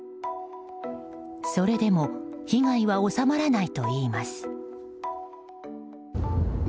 それでも被害は収まらないといいます。